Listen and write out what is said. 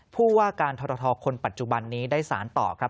ผู้ว่าการทรทคนปัจจุบันนี้ได้สารต่อครับ